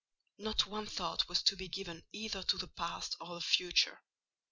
Not one thought was to be given either to the past or the future.